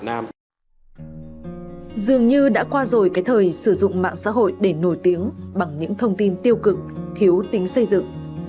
dường như đã qua rồi cái thời sử dụng mạng xã hội để nổi tiếng bằng những thông tin tiêu cực thiếu tính xây dựng